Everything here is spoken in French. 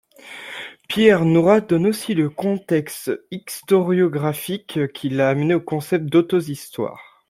Pierre Nora donne aussi le contexte historiographique qui l'a amené au concept d'auto-histoire.